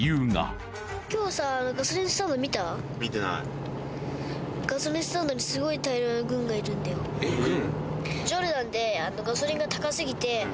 見てないえっ軍？